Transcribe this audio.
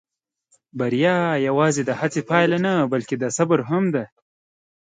بریا یواځې د هڅې پایله نه، بلکې د صبر هم ده.